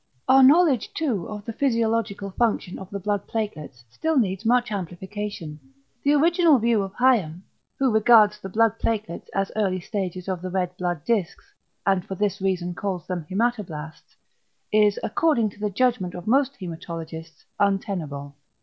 Our knowledge too of the physiological function of the blood platelets still needs much amplification. The original view of Hayem, who regards the blood platelets as early stages of the red blood discs, and for this reason calls them "hæmatoblasts," is, according to the judgment of most hæmatologists, untenable.